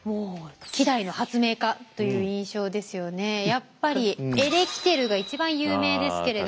やっぱりエレキテルが一番有名ですけれども。